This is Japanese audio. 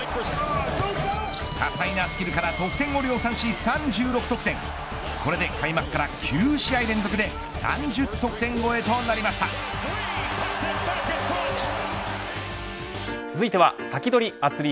多彩なスキルから得点を量産し３６得点これで開幕から９試合連続で続いてはサキドリ！